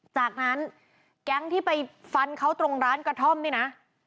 จากนั้นแก๊งที่ไปฟันเขาตรงร้านกระท่อมนี่นะ